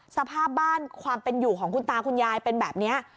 สภาพบ้านความเป็นอยู่ของคุณตาคุณยายเป็นแบบนี้